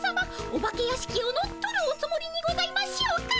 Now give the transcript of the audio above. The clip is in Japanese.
お化け屋敷を乗っ取るおつもりにございましょうか？